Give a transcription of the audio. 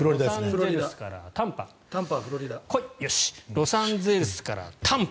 ロサンゼルスからタンパ。